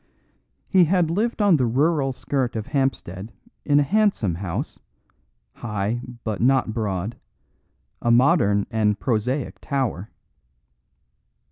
He had lived on the rural skirt of Hampstead in a handsome house, high but not broad, a modern and prosaic tower.